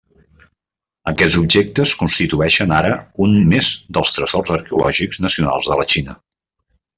Aquests objectes constitueixen ara un més dels tresors arqueològics nacionals de la Xina.